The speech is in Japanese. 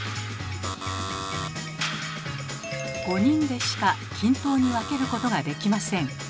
５人でしか均等に分けることができません。